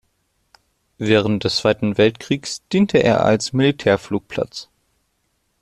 Während des Zweiten Weltkriegs diente er als Militärflugplatz.